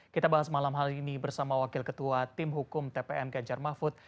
kita bahas malam hari ini bersama wakil ketua tim hukum tpm ganjar mahfud